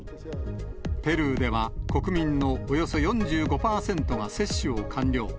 ペルーでは国民のおよそ４５％が接種を完了。